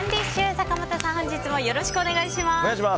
坂本さん、本日もよろしくお願いします。